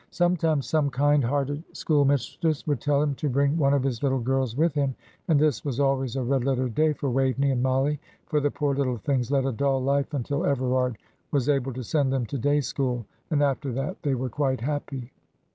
Sometimes some kind hearted schoolmistress would tell him to bring one of his little girls with him, and this was always a red letter day for Waveney and Mollie, for the poor little things led a dull life until Everard was able to send them to day school; and after that they were quite happy.